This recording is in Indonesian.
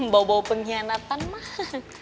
bau bau pengkhianatan mah